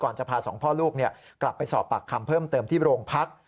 จะพาสองพ่อลูกกลับไปสอบปากคำเพิ่มเติมที่โรงพัก